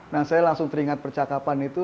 nah saya langsung teringat percakapan itu